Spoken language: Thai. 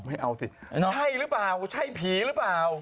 ไม่เอาสิใช่หรือเปล่าใช่ผีหรือเปล่า